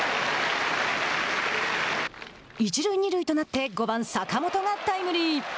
一塁二塁となって５番坂本がタイムリー。